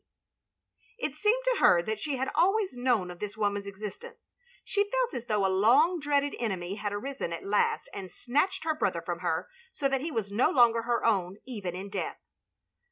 328 THE LONELY LADY It seemed to her that she had always known of this woman's existence; she felt as though a long dreaded enemy had arisen at last and snatched her brother from her; so that he was no longer her own, even in death.